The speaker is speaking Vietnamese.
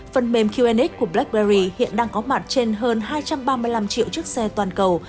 phần mềm qnx của blackberry hiện đang có mặt trên hơn hai trăm ba mươi năm triệu chiếc xe toàn cầu